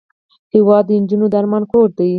هېواد د نجو د ارمان کور دی.